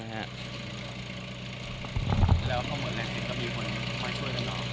แล้วก็หมดแรงแล้วก็มีคนมาช่วยกันเหรอ